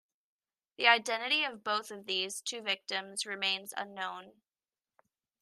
The identity of both of these two victims remains unknown.